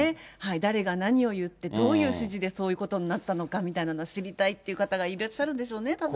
誰が何を言ってどういう指示でそういうことになったのかみたいなのは、知りたいっていう方がいらっしゃるんでしょうね、たぶんね。